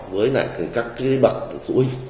với các cái bậc của cụi